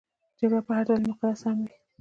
جګړه که په هر دلیل مقدسه هم وي.